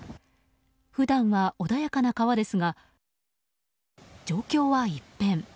普段は穏やかな川ですが状況は一変。